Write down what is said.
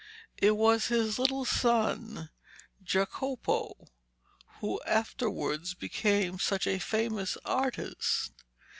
It was his little son Jacopo who afterwards became such a famous artist.